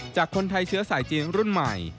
จากคนไทยเชื้อสายจีนรุ่นใหม่